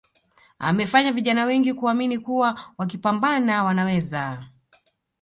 amefanya vijana wengi kuamini kuwa wakipambana Wanaweza